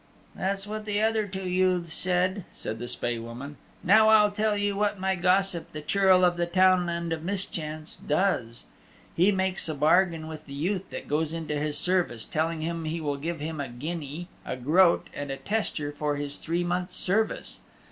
"That's what the other two youths said," said the Spae Woman. "Now I'll tell you what my gossip the Churl of the Townland of Mischance does: he makes a bargain with the youth that goes into his service, telling him he will give him a guinea, a groat and a tester for his three months' service.